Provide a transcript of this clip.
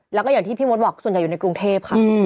แล้วก็อย่างที่พี่มดบอกส่วนใหญ่อยู่ในกรุงเทพค่ะ